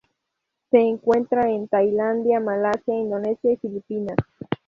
Se encuentra en Tailandia Malasia, Indonesia y Filipinas.